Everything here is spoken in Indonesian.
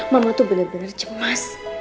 mama tuh bener bener cemas